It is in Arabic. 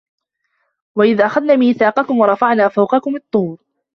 وَإِذْ أَخَذْنَا مِيثَاقَكُمْ وَرَفَعْنَا فَوْقَكُمُ الطُّورَ